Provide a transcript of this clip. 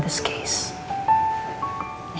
dalam hal ini